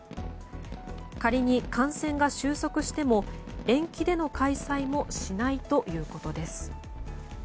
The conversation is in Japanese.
仮に感染が収束しても延期での開催もしないということです。